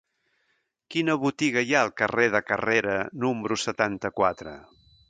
Quina botiga hi ha al carrer de Carrera número setanta-quatre?